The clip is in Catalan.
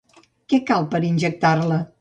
Què cal per injectar-la?